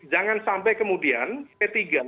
jangan sampai kemudian p tiga